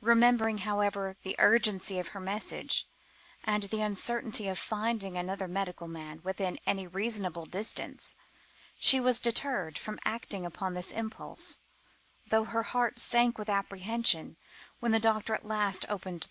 Remembering, however, the urgency of her message, and the uncertainty of finding another medical man within any reasonable distance, she was deterred from acting upon this impulse, though her heart sank with apprehension when the door at last opened.